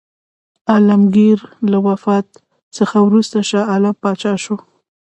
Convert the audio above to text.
عالمګیر له وفات څخه وروسته شاه عالم پاچا شو.